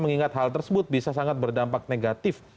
mengingat hal tersebut bisa sangat berdampak negatif